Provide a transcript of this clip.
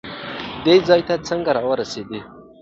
دې ځای ته څنګه راورسېد؟